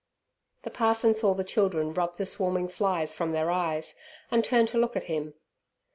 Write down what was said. The parson saw the children rub the swarming flies from their eyes and turn to look at him.